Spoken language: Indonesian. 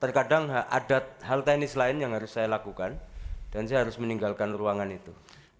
terkadang ada hal teknis lain yang harus saya lakukan dan saya harus meninggalkan ruangan itu